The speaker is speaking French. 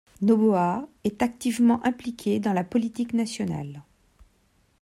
Noboa est activement impliqué dans la politique nationale.